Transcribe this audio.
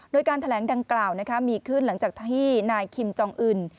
โดยการแถลงดังกล่าวมีขึ้นหลังจากที่นายคิมจองอื่น